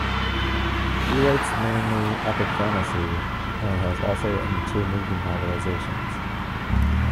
He writes mainly epic fantasy, and has also written two movie novelizations.